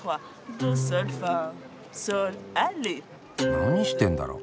何してんだろう？